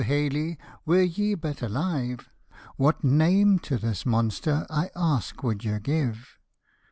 Halley, were ye but alive, What name to this monster, I ask, would you give?